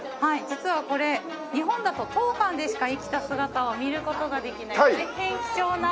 実はこれ日本だと当館でしか生きた姿を見る事ができない大変貴重な。